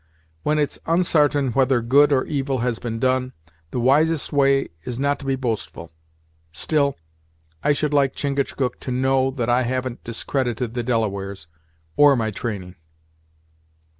When it's onsartain whether good or evil has been done, the wisest way is not to be boastful still, I should like Chingachgook to know that I haven't discredited the Delawares, or my training!"